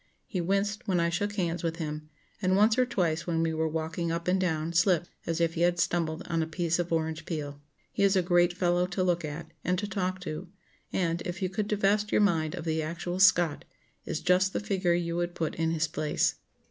He winced when I shook hands with him, and once or twice when we were walking up and down slipped as if he had stumbled on a piece of orange peel. He is a great fellow to look at, and to talk to; and, if you could divest your mind of the actual Scott, is just the figure you would put in his place."